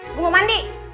gua mau mandi